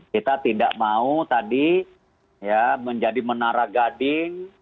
kita tidak mau tadi menjadi menara gading